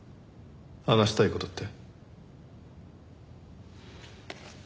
話したい事って？